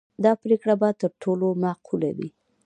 دا پرېکړه به تر ټولو معقوله وي.